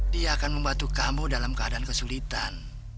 dia akan membantu kamu dalam keadaan kesulitan